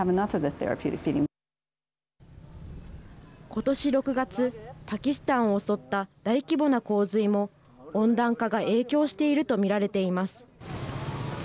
今年６月、パキスタンを襲った大規模な洪水も、温暖化が影響していると見られています。